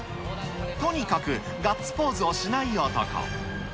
とにかくガッツポーズをしない男。